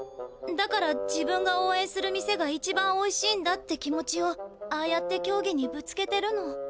だから「自分がおうえんする店が一番おいしいんだ」って気持ちをああやってきょうぎにぶつけてるの。